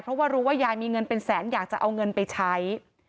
เพราะว่ารู้ว่ายายมีเงินเป็นแสนอยากจะเอาเงินไปใช้